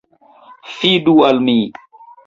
Fidu al mi!